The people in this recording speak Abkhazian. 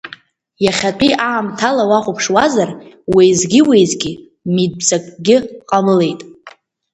Иахьатәи аамҭала уахәаԥшуазар, уеизгьы-уеизгьы митәӡакгьы ҟамлеит.